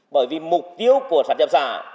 bởi vì mục tiêu của sản trạm xã